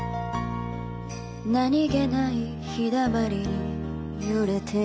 「何気ない陽溜まりに揺れている」